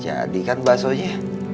jadi kan bursunya